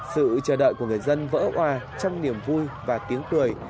sự chờ đợi của người dân vỡ hòa trong niềm vui và tiếng cười